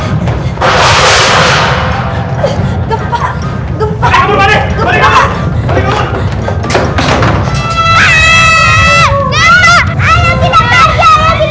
jadi gue acaba